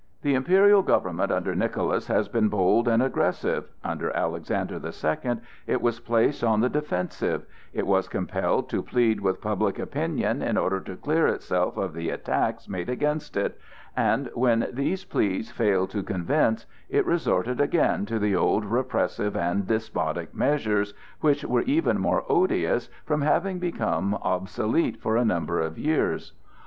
The imperial government, under Nicholas, has been bold and aggressive; under Alexander the Second it was placed on the defensive; it was compelled to plead with public opinion in order to clear itself of the attacks made against it, and when these pleas failed to convince, it resorted again to the old repressive and despotic measures which were even more odious from having become obsolete for a number of years.